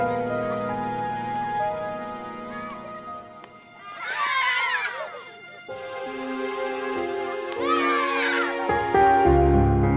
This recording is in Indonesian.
hari ini kita nggak bisa main dulu